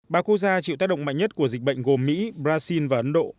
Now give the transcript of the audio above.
ba quốc gia chịu tác động mạnh nhất của dịch bệnh gồm mỹ brazil và ấn độ